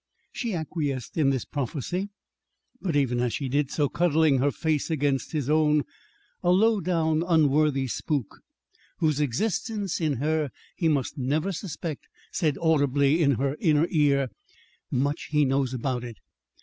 She acquiesced in this prophecy, but even as she did so, cuddling her face against his own, a low down, unworthy spook, whose existence in her he must never suspect, said audibly in her inner ear, "Much he knows about it!"